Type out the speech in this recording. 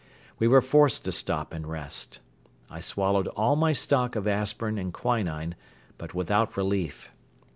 We were forced to stop and rest. I swallowed all my stock of aspirin and quinine but without relief.